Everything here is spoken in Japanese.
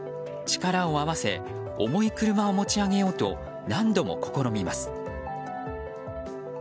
力を合わせ重い車を持ち上げようと何度も試みます。